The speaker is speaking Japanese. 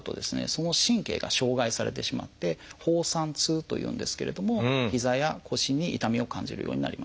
その神経が傷害されてしまって「放散痛」というんですけれどもひざや腰に痛みを感じるようになります。